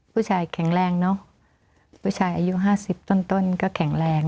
ผู้ชายแข็งแรงเนอะผู้ชายอายุ๕๐ต้นก็แข็งแรง